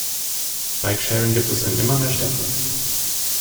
Bikesharing gibt es in immer mehr Städten.